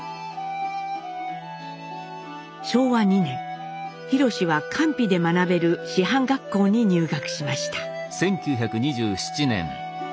昭和２年廣は官費で学べる師範学校に入学しました。